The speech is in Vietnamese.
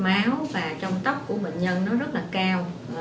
máu và trong tấc của bệnh nhân nó rất là cao